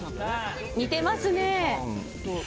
似てますね。